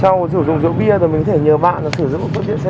lần sau dùng rượu bia thì mình có thể nhờ bạn sử dụng một cơ tiện xe phong cạo